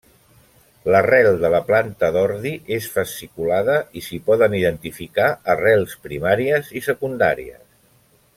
L'arrel de la planta d'ordi és fasciculada i s'hi poden identificar arrels primàries i secundàries.